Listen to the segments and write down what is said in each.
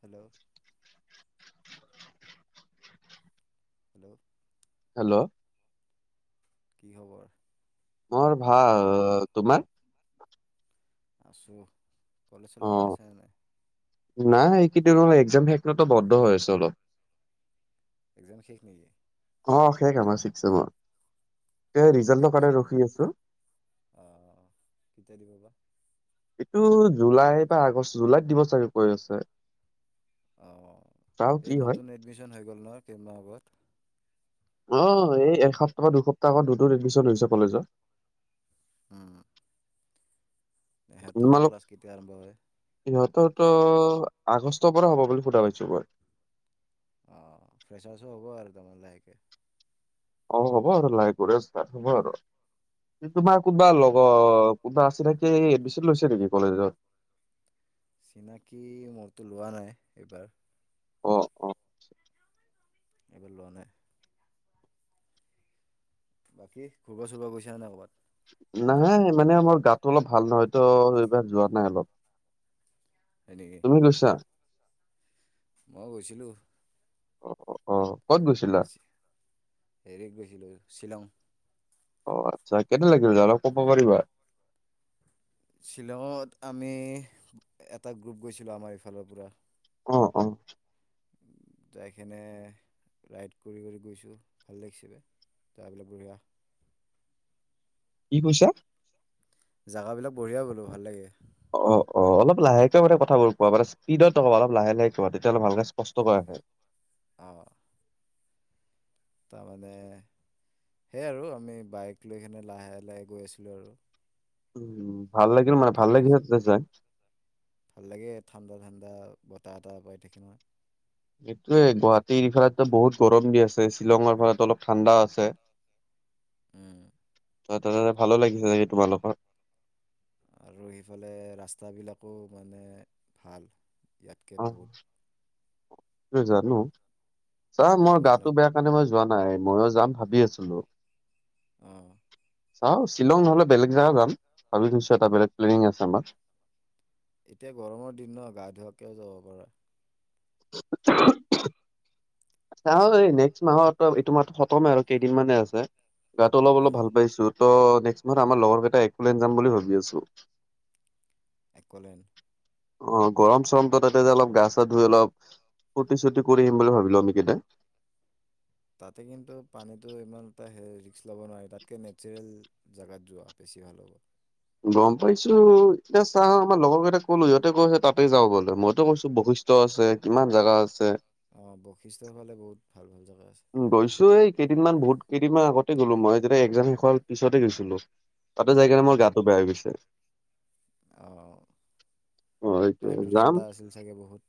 Hello. [inaudible] Hello. Hello. কি খবৰ। মোৰ ভাল তোমাৰ। আছোঁ, কলেজলে অ যায় আছা নে নাই। [unintelligible] এক্জাম শেষ হ'লতো বন্ধ হৈ আছে অলপ। এক্সাম শেষ নেকি। অ' শেষ আমাৰ ছিক্স চেমৰ। তে অ' ৰিজাল্টৰ ছিক্স কাৰণে চেমৰ ৰখি শেষ, আছো অ' কেতিয়া দিব বা। এইটো জুলাই বা আগষ্ট জুলাইত দিব চাগে কৈ আছে। অ' চাও এই কি হয় নতুন এডমিচন হৈ গ'ল নহয় কেইদিনমান আগত। অ' এই এসপ্তাহ বা দুসপ্তাহ আগত [unintelligible] এডমিচন হৈছে কলেজত। উম। সেহতৰো তোমালোক ক্লাছ কেতিয়া আৰম্ভ হয়। টো আগষ্টৰ পৰা হ'ব বুলি শুনা পাইছো মই। অ' ফ্ৰেছাৰছো হ'ব আৰু তাৰমানে লাহেকে। অ' হ'ব আৰু লাহে কৰি ষ্টাৰ্ট হ'ব আৰু। তোমাৰ কোনোবা লগৰ কোনোবা আছে নেকি এডমিচন লৈছে নেকি কলেজত। চিনাকি মোৰটো লোৱা নাই এইবাৰ। অ'-অ'। এইবাৰ লোৱা নাই। বাকী ঘূৰিব চুৰিব গৈছা নাই ক'ৰবাত। নাই মানে মোৰ গাটো অলপ ভাল নহয় ত' এইবাৰ যোৱা নাই অলপ। হয় নেকি তুমি গৈছা। মই গৈছিলোঁ। অ'- অ'। ক'ত গৈছিলা? হেৰিত গৈছিলো শ্বিলং। অ' আচ্ছা কেনে লাগিল অলপ ক'ব পাৰিবা। শ্বিলঙত আমি এটা গ্ৰুপ গৈছিলো আমাৰ ইফালৰ পৰা। অ - অ। যাইখনে ৰাইড কৰি কৰি গৈছো ভাল লাগিছে। যাবিল বঢ়া। কি কৈছা? জেগাবিলাক বঢ়িয়াই গ'লো ভাল লাগে। অ - অ অলপ লাহেকে মানে কথাবোৰ কোৱা মান স্পীতটকাবা অলপ লাহে - লাহে ক তেতিয়াহ'লে ভালকে স্পষ্ট কৈ আহে। হয়। অ', তাৰমানে সেয়াই আৰু আমি বাইক লৈ কিনে লাহে - লাহে গৈ আছিলো আৰু। উম, ভাল লাগিল মানে ভাল লাগি আছে যাই। ভাল লাগে ঠাণ্ডা - ঠাণ্ডা বতাহ এটাহ পাই থাকে নহয়। এইটোয়ে গুৱাহাটীৰ ফালে বহুত গৰম দি আছে শ্বিলঙৰ ফালে অলপ ঠাণ্ডা আছে। উম, ত' তাতে ভালো লাগিছে নেকি তোমালোকৰ। আৰু সেইফালে ৰাস্তাবিলাকো মানে ভাল। ইয়াতকে অ বহুত জানো চাহ মই গাটো বেয়া কাৰণে মই যোৱা নাই। ময়ো যাম ভাবি আছিলো। অহ ', চাও শ্বিলং নহ'লে বেলেগ জেগা যামাবি এটা বেলেগ প্লেনিং আছে আমাৰ। এতিয়া গৰমৰ দিন ন গা ধোৱাকেও যাব পাৰে। [unintelligible] এই নেক্সট মাহত এইটো মাহ খতমে আৰু কেইদিনমানানে আছে। গাটো অলপ - অলপ উম। ভাল পাইছো। ত' নেক্সট মাহ আমাৰ লগৰ কেইটা একোলেন যাম বুলি ভাবি আছো। একলেণ্ড। অ, গৰম চৰমটো তাতে যে অলপ গা চা ধুই অলপ। প্ৰতিশ্ৰুতি কৰি আহিম বুলি ভাবিলো আমি কেইতিয়া। [inaudible] তাতে কিন্তু পানীতো ইমান এটা ৰিক্স লব নোৱাৰে তাতকে নেচাৰেল জোগাত যোৱা বেছি বেছি ভাল হ'ব। গম পাইছো এতিয়া চা আমাৰ লগৰ কেইটটা কলো ইহতে কৈছে তাতে যাও বলে মইতো কৈছো বশিষ্ট আছে কিমান জোগা আছে। অঁ বশিষ্ঠৰ ফালে বহুত ভাল ভাল জেগা আছে। গৈছো এই। কেইদিনমান বহুত কেইদিনমান আগতে গ'লো মই যেতিয়া এক্সাম শেষ হোৱাৰ পিছতে গৈছিলো। তাতে যাই কাৰণনে মোৰ উম। গাটো বেয়া হৈ গৈছে। অ এইটোৱে পানীটো যাম ঠাণ্ডা আছিল চাগে বহুত।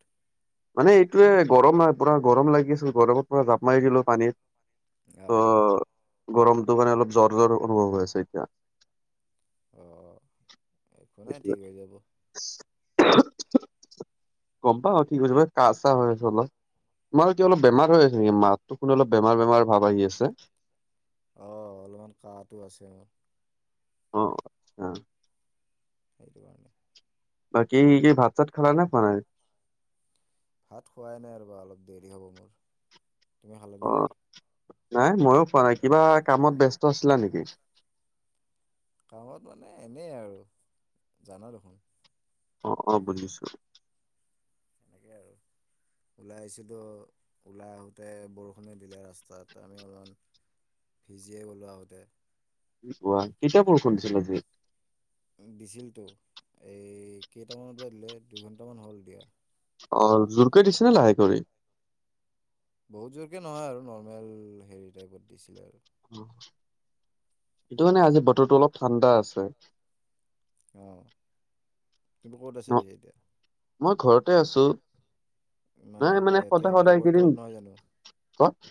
মানে এইটোোৱে গৰম পুৰা গৰম লাগিছিল গৰমত পুৰা জাপ মাৰি দিলো পানীত। অঁ ত' গৰমটো মানে অলপ জৰ - জৰ অনুভৱ হৈ আছে এতিয়া। অ, একো নাই ঠিক সেইটোৱে হৈ যাব। [inaudible] গম পা অ, ঠিকছ ব কাহ চাহ হৈ আছে অলপ তোমাৰ কি অলপ বেমাৰ হৈ আছে নেকি মা ত' কোনো অলপ বেমাৰ - বেমাৰ ভাৱ আহি আছে। অহ ', অলপমান কাহটো আছে মোৰ। অ', ধৰুৱান বাকী কি ভাত চাত খালা নে খোৱা নাই। ভাত খোৱাই নাই ৰব অলপ দেৰি হ'ব মোৰ তুমি খালা নে অ কি। নাই ময়ো কোৱা নাই কিবা কামত ব্যস্ত আছিলা নেকি। গাঁৱত মানে এনেই আৰু জানা দেখোন অ' অ' বুজিছো সেয়াই আৰু ওলাই আহিছিলোঁ ওলাই আহোঁতে বৰষুণে দিলে ৰাস্তাত আমি অলমান ভিজিয়ে গলো আহোঁতে কি কোৱা কেতিয়া বৰষুণ দিছিলে আজি দিছিলতো এই কেইটামানত বা দিলে দুইঘন্টামান হল দিয়া অ' জোৰকে দিছিল নে লাহে কৰি বহুত জোৰকে নহয় আৰু নৰ্মেল হেৰি টাইপত দিছিলে আৰু হেইটো কাৰনে আজি বতৰটো অলপ ঠাণ্ডা আছে অ' তুমি ক'ত ন আছা পিছে এতিয়া মই ঘৰতে আছো নাই মানে ইয়াতে সদায় সদায় বগৰ এইকেইদিন তলত নহয় জানো কত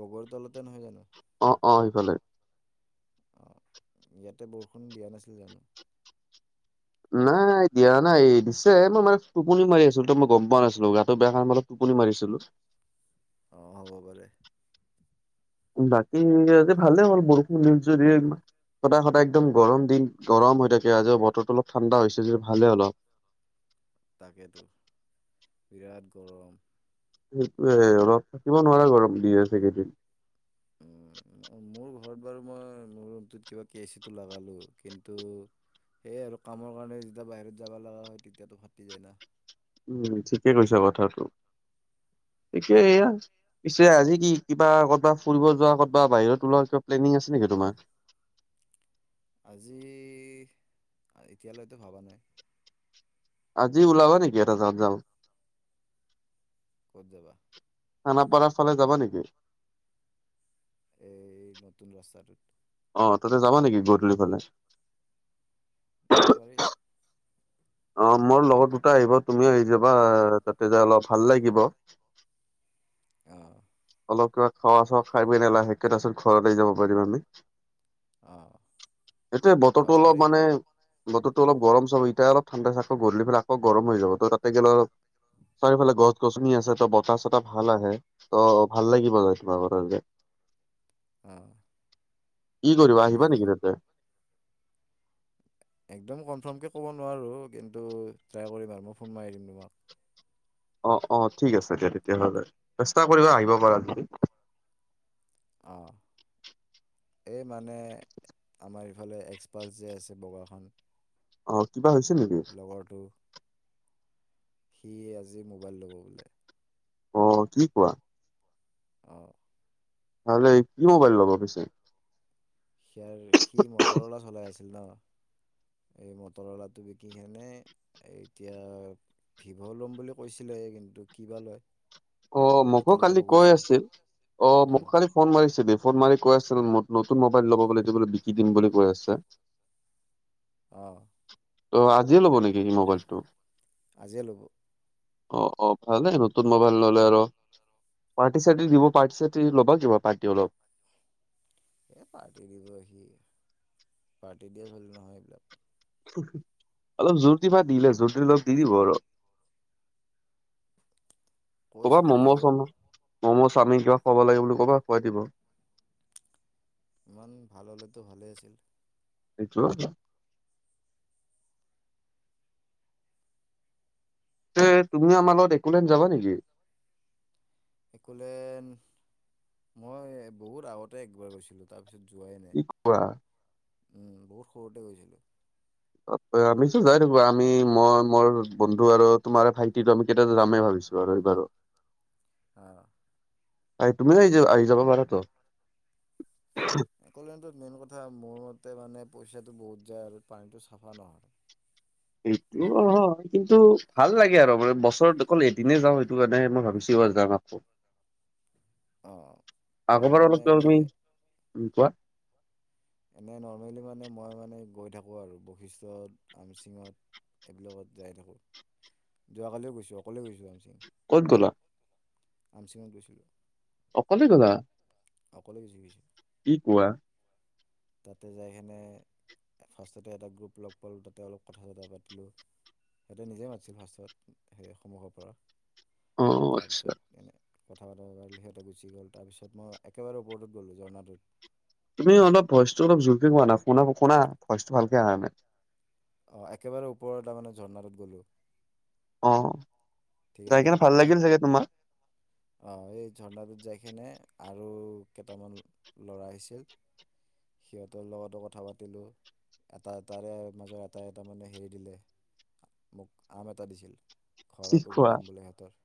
বগৰ তলতে নহয় জানো অ' সেফালে অঁ ইয়াতে বৰষুণ দিয়া নাছিল জানো নাই দিয়া নাই দিছে মই মানে টোপনি মাৰি আছিলো তো মই গম পোৱা নাছিলো গাটো বেয়া কাৰণে মানটো টোপনি মাৰিছিলো অ' হ'ব পাৰে বাকী ভালে হল বৰষুণ নি সদায় সদায় একদম গৰম দিন গৰম হৈ থাকে আজি বতৰটো অলপ ঠাণ্ডা হৈছে যদি ভালে অলপ তাকেতো বিৰাট গৰম। সেইটোৱে অলপ থাকিব নোৱাৰা গৰম দি আছে এই কেইদিন উম মোৰ ঘৰত বাৰু মই মোৰ ৰুমটোত কিবাকে এচিটো লগালোঁ কিন্তু সেয়ে আৰু কামৰ কাৰণে যেতিয়া বাহিৰত যাব লগা হয় তেতিয়াতো ফাটি যায় ন'। উম ঠিকে কৈছা কথাটো। [inaudible] পিছে এয়া পিছে আজি কি কিবা ক'বাত ফুৰিব যোৱা ক'বাত বাহিৰত ওলোৱাৰ কিবা প্লেনিং আছে নেকি তোমাৰ আজি এতিয়ালৈতো ভবা নাই। আজি ওলাবা নেকি এটা জাগাত যাওঁ। ক'ত যাবা খানাপাৰা ফালে যাবা নেকি? এই নতুন ৰাস্তাটোত অ' ততে যাবা নেকি গধূলি ফালে যাব পাৰি অ' মোৰ লগৰ দুটা আহিব তুমিও আহি যাবা তাতে যে অলপ ভাল লাগিব। অ' অলপ কিবা খোৱা চোৱা খাই কিনে লাহেকে তাৰ পিছত ঘৰত আহি যাব পাৰিম আমি। অ' সেইটোৱে বতৰটো অলপ মানে বতৰটো ত অলপ গৰম চৰম এতিয়া অলপ ঠাণ্ডা [unintelligible] গধূলি পেলে আকৌ গৰম হৈ যাব তাতে গ'লে অলপ চাৰিওফালে গছ-গছনি আছে ত' বতাহ চতাহ ভাল আহে ত' ভাল লাগিব যাই তোমাৰ লগত যায়। অ'। কি কৰিবা আহিবা নেকি তেন্তে? একদম কনফাৰ্মকে ক'ব নোৱাৰো কিন্তু ট্ৰাই কৰিম আৰু মই ফোন মাৰি দিম তোমাক। অ', অ', ঠিক আছে দিয়া তেতিয়াহ'লে চেষ্টা কৰিবা আহিব পাৰা নি। অ'। এই মানে আমাৰ ইফালে এক্সপাৰ্ট যে আছে বগাখন। অহ', কিবা হৈছে নেকি? লগৰটো সি আজি মোবাইল ল'ব বোলে। অ', কি কোৱা? অ'। ভালেই কি মোবাইল লব পিছে? সিয়াৰ সি মটৰৱালা চলাই আছিল ন। এই মটৰৱালাটো বিকি কেনে এতিয়া ভীভ' লম বুলি কৈছিলে কিন্তু কিবা লয়। অ', মোকো এতিয়া ল'ব কালি কৈ গৈছে আছিল। অ', মোকো অঁ কালি ফোন মাৰিছিল। ফোন মাৰি কৈ আছে মোক নতুন মোবাইল ল'ব বুলি এইটো বোলে বিকি দিম বুলি কৈ আছে। অ'। ত' আজিয়ে ল'ব নেকি সি মোবাইলটো? আজিয়ে ল'ব। অ ', অ ', ভালেই নতুন ম'বাইল। ল'লে আৰু, ৰ্পাটী ৰ্ছাটী দিব ৰ্পাটী ৰ্ছাটী লগত দিব আৰু। এ পাৰ্টি দিবহি, পাৰ্টি দিয়া চলি নহয় এইবিলাক। অলপ জোৰ দিবা, দিলে জোৰদি অলপ দি দিব আৰু। [inaudible] কৈ ক'বাৰ চাম ম'ম' আৰু চম ম'ম', চাউমিন কিবা খুৱাব লাগে বুলি ক'বা খুৱাই দিব। ইমান ভাল হলেতো ভালে আছিল। সেইটো। যে তুমি আমাৰ লগত একলেনদ যাবা নেকি? একলেনদ, মই বহুত আগতে একবাৰ গৈছিলো তাৰ পিছত তাৰপিছত যোৱাই নাই, কি কোৱা অ' বহুত সৰুতে গৈছিলোঁ। ত আমিতো যাই থাকো, আমি মই মোৰ বন্ধু আৰু তোমাৰ ভাইটিটো আমি কেতিয়া যামেই ভাবিছো। [unintelligible] আহ। আহ তুমিও আহি য আহি যাব পাৰা তো। একলেনদনত মেইন কথা মোৰ মতে মানে পইচাটো বহুত যায় আৰু পানীটো চাফা নহয়। এইটো হয়, কিন্তু ভাল লাগে আৰু মানে বছৰত অকল এদিনে যাওঁ, সেইটো কাৰণে মই ভাবিছো [unintelligible] [inaudible] অ' মই আগৰবাৰ মানে অলপৱা এনে তুমি, কোৱা এনেই নৰ্মেলি মানে মই মানে গৈ থাকো আৰু বশিষ্ঠত আমচিঙত। এইবিলাকত যাই থাকোঁ, যোৱাকালিও গৈছোঁ অকলে গৈছোঁামচিং। ক'ত গ'লা? আমচিঙাত গৈছিলো। অকলে গ'লা? অকলে [unintelligible] কি কোৱা তাতে যায় কেনে ফাৰ্ষ্টতে এটা গ্ৰুপ লগ পালোঁ, তাপা অলপ কথা, চথা পাতিলোঁ। সিহঁতে নিজে মাতিছিল ফাৰ্ষ্টত, সেই সন্মুখৰ পৰা অ আচ্ছা তাৰপিছত এনে [unintelligible] সিহঁতে গুচি গ'ল। তাৰপিছত মই একেবাৰে ওপৰটোত গ'লো ঝৰ্ণাটোত। তুমি অলপ ভইচটো অলপ জোৰকে কোৱা না। শুনা, শুনা ভইচটো ভালকে আহা নাই। অ', একেবাৰে ওপৰ তাৰ মানে ঝৰ্ণাটোত গ'লো। অ', যায় কেনে ভাল লাগিল চাগে তোমাৰ? অ', এই ঝৰ্ণাটোত যায়কেনে আৰু কেইটামান ল'ৰা আহিছিল। সিহঁতৰ লগতো কথা পাতিলোঁ। এটা তাৰে মাজৰ এটাই এটা মানে হেৰি দিলে মোক আম এটা দিছিল। কি ঘৰত কোৱা উগোৱাম বুলে সিহতৰ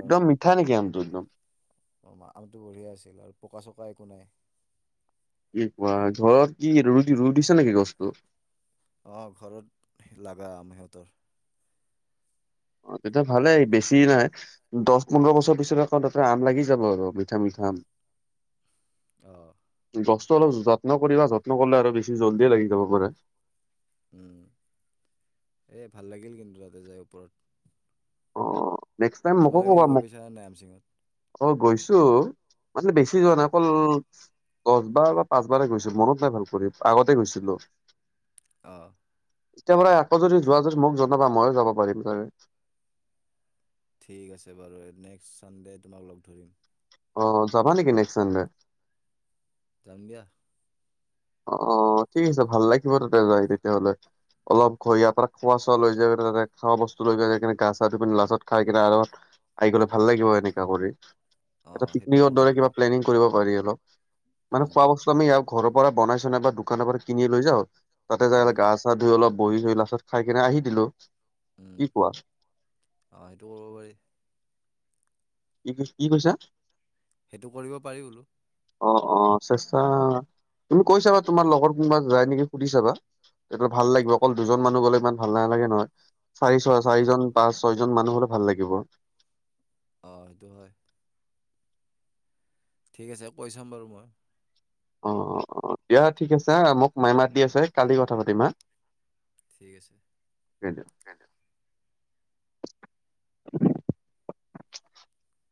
একদম মিঠা নেকি আম তো একদম। আমটো বঢ়িয়া আছিল আৰু পকা চকা একো নাই। কি কোৱা। ঘৰত কি ৰুই ৰু ৰুই দিছে নেকি গছটো? অ ঘৰত, লাঙৰা আম সিহঁতৰ। অ তেতিয়া ভালেই, বেছি নাই। দহ পোন্ধৰ বছৰ পিছত আকৌ তাতে আম লাগি যাব আৰু মিঠা মিঠা। আম। আহ। গছটো অলপ যত্ন কৰিবা, যত্ন কৰিলে আৰু বেছি জল্ডিয়ে লাগি যাব পাৰে। উম। এই ভাল লাগিল কিন্তু তাতে যায় ওপৰত। অ নেক্সট টাইম মোকো তোমালোকে ক'বা গৈ মোক পাইছানে নাই আম চিঙিব? অ গৈছোঁ। মানে বেছি যোৱা নাই, অকল দহবাৰ বা পাঁচবাৰে গৈছিলোঁ। মনত নাই ভাল কৰি, আগতে গৈছিলোঁ। আহ। এতিয়া পৰাই আকৌ যদি যোৱা যদি মোক জনাবা ময়ো যাব পাৰিম ছাগে। ঠিক আছে বাৰু, নেক্স চানডে তোমাক ধৰিম। অ। যাবা নেকি নেক্সট চানডে? যাম দিয়া। অ অ, ঠিক আছে ভাল লাগিব তাতে যাই তেতিয়াহলে। অলপ ঘৰ ইয়াৰ পৰা খোৱা চোৱা লৈ যায়নে তাত খোৱা বস্তু লৈ যোৱা যায় কিনে গা চা ধুই পিনে লাঞ্চত খাই কিনে আৰামত আহি গলে ভাল লাগিব এনেকা কৰি। এটা অঁ সেইটোৱে পিকনিকৰ কৰোঁ দৰে আমি কিবা প্লেনিং কৰিব পাৰি অলপ। মানে উম, খোৱা বস্তু আমি ইয়াৰ ঘৰৰ পৰা বনাইছ নাই বা দোকানৰ পৰা কিনি লৈ যাওঁ, তাতে যাই উম। গা চা ধুই অলপ বহি চহি লাষ্টত খাই কেনে আহি দিলো। হেল্ল'! উম। আহ এইটো কৰিব পাৰি। কি কি কৈছা? সেইটো কৰিব পাৰি বোলো। অ অ চেষ্টা তুমি কৈছাবা তোমাৰ লগৰ কোনোবা যায় নেকি সুধি চাবা? এইটো ভাল লাগিব অকল দুজন মানুহ গ'লে ইমান ভাল নালাগে নহয়। চাৰি ছয় অ'। চাৰিজন পাঁচ ছয়জন মানুহ হ'লে ভাল লাগিব। [inaudible] হয় সিটো হয়। ঠিক আছে কৈ চাম বাৰু মই। অ দিয়া ঠিক আছে মোক মাই মাত দি আছে কালি কথা পাতিম হা। ঠিক আছে। [inaudible]